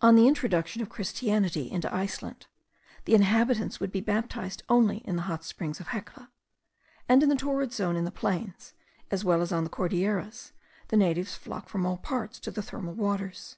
On the introduction of Christianity into Iceland, the inhabitants would be baptized only in the hot springs of Hecla: and in the torrid zone, in the plains, as well as on the Cordilleras, the natives flock from all parts to the thermal waters.